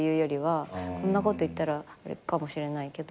こんなこと言ったらあれかもしれないけど。